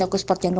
naik ke atas itu